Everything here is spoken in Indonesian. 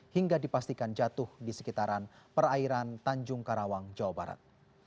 hingga dipastikan jatuh di sekitaran perairan tanjung karawang jawa barat